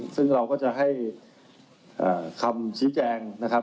ซึ่งเราก็จะให้คำชี้แจงนะครับ